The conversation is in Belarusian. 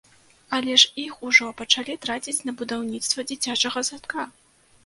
Але ж іх ужо пачалі траціць на будаўніцтва дзіцячага садка!